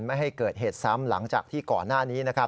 ไม่ให้เกิดเหตุซ้ำหลังจากที่เกาะหน้านี้